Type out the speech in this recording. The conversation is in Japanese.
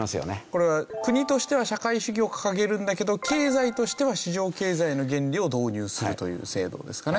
これは国としては社会主義を掲げるんだけど経済としては市場経済の原理を導入するという制度ですかね。